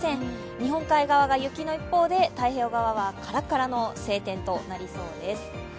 日本海側が雪の一方で太平洋側はからからの晴天となりそうです。